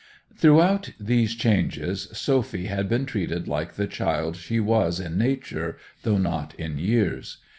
Throughout these changes Sophy had been treated like the child she was in nature though not in years.